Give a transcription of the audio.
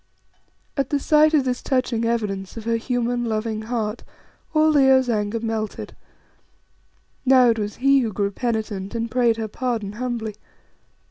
At the sight of this touching evidence of her human, loving heart all Leo's anger melted. Now it was he who grew penitent and prayed her pardon humbly.